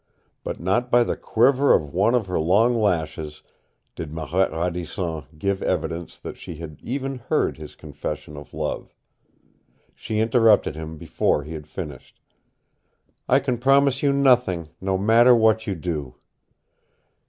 But not by the quiver of one of her long lashes did Marette Radisson give evidence that she had even heard his confession of love. She interrupted him before he had finished. "I can promise you nothing, no matter what you do.